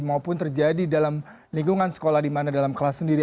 maupun terjadi dalam lingkungan sekolah di mana dalam kelas sendiri